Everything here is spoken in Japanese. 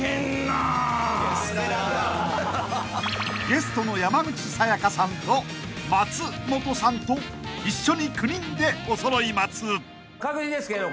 ［ゲストの山口紗弥加さんと松本さんと一緒に９人でおそろい松］確認ですけど。